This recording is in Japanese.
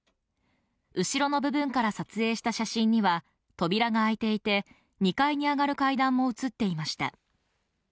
後ろの部分から撮影した写真には扉が開いていて２階に上がる階段も写っていました